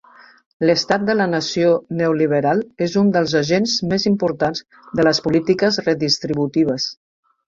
L'estat de la nació neoliberal és un dels agents més importants de les polítiques redistributives.